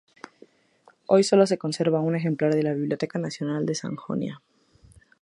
Hoy sólo se conserva un ejemplar en la Biblioteca Nacional de Sajonia.